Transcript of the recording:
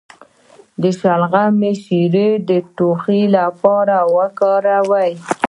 د شلغم شیره د ټوخي لپاره وکاروئ